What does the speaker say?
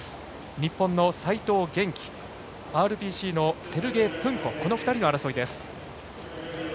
日本の齋藤元希ＲＰＣのセルゲイ・プンコの争いです。